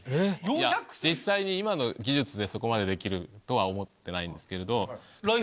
いや実際に今の技術でそこまでできるとは思ってないんですけれど。